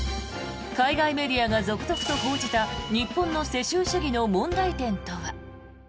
海外メディアが続々と報じた日本の世襲主義の問題点とは。